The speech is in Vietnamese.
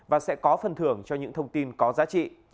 và sẽ có phần thưởng cho những thông tin có giá trị